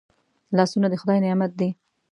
لاسونه د خدای نعمت دی